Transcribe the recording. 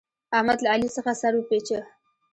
احمد له علي څخه سر وپېچه.